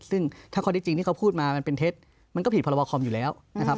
ซึ่งถ้าความจริงที่เขาพูดมาเป็นเทสมันก็ผิดพรบคอมพิวเตอร์อยู่แล้วนะครับ